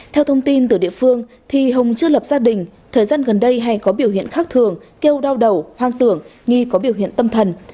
theo thông tin từ địa phương thì hồng chưa lập gia đình thời gian gần đây hay có biểu hiện khắc thường kêu đau đầu hoang tưởng nghi có biểu hiện tâm thần